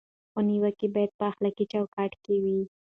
خو نیوکه باید په اخلاقي چوکاټ کې وي.